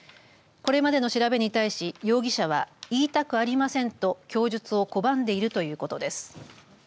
これまでの調べに対し容疑者は言いたくありませんと供述を拒んでいるということです。